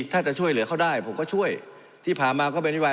ถ้าจะช่วยเหลือเขาได้ผมก็ช่วยที่ผ่านมาก็เป็นนโยบาย